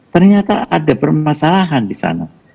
ternyata ada permasalahan di sana